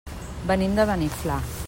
Venim de Beniflà.